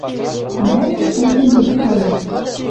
Мӹлӓнем колтен тӹдӹ Таням